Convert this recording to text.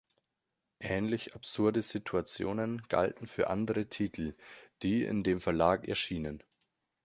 Ähnlich absurde Situationen galten für andere Titel, die in dem Verlag erschienen.